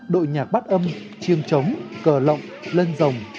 đội nhạc bát âm chiêng trống cờ lọng lân dòng